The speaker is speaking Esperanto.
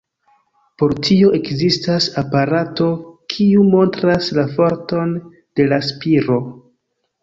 Por tio ekzistas aparato, kiu montras la forton de la spiro.